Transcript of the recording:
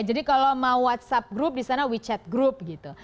jadi kalau mau whatsapp group di sana wechat group gitu